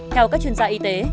theo các chuyên gia y tế